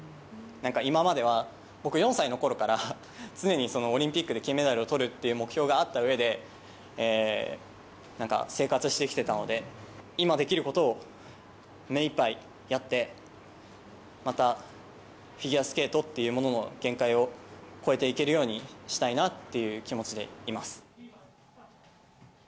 なんか今までは、僕、４歳のころから常にオリンピックで金メダルをとるっていう目標があったうえで、なんか生活してきてたので、今できることを目いっぱいやって、またフィギュアスケートっていうものの限界を超えていけるようにしたいなという気持ちでいます。